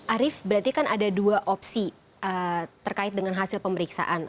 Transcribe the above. arief berarti kan ada dua opsi terkait dengan hasil pemeriksaan